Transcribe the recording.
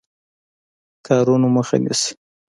کارونو مخه نیسي.